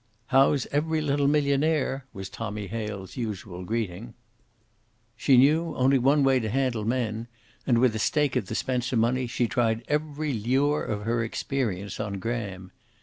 "How's every little millionaire?" was Tommy Hale's usual greeting. She knew only one way to handle men, and with the stake of the Spencer money she tried every lure of her experience on Graham.